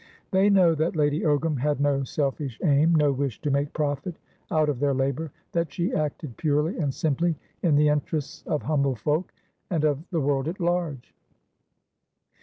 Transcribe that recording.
They know that Lady Ogram had no selfish aim, no wish to make profit out of their labour; that she acted purely and simply in the interests of humble folkand of the world at large.